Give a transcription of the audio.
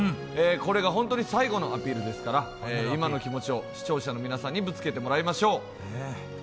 これが本当に最後のアピールですから、今の気持ちを、視聴者の皆さんにぶつけてもらいましょう。